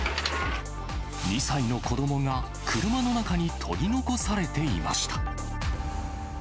２歳の子どもが車の中に取り残されていました。